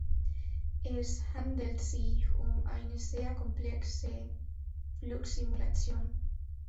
Es handelt sich um eine sehr komplexe Flugsimulation.